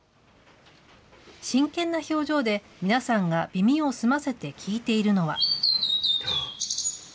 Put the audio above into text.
真剣な表情で皆さんが耳を澄ませて聞いているのは。